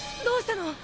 どうしたの！？